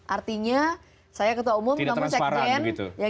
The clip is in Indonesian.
artinya saya ketua umum kamu sekjen